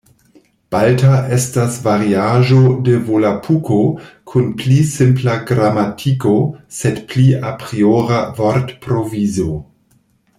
Balta estas variaĵo de Volapuko kun pli simpla gramatiko, sed pli apriora vortprovizo.